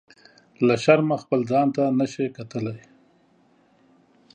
له شرمه خپل ځان ته نه شي کتلی.